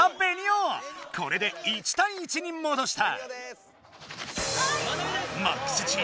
これで１対１にもどした。